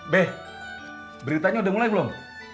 beh beritanya udah mulai belum